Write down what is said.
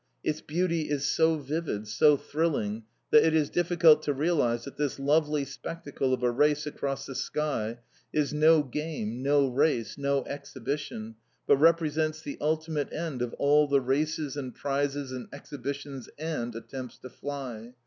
Its beauty is so vivid, so thrilling, that it is difficult to realise that this lovely spectacle of a race across the sky is no game, no race, no exhibition, but represents the ultimate end of all the races and prizes and exhibitions and attempts to fly.